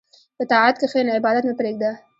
په طاعت کښېنه، عبادت مه پرېږده.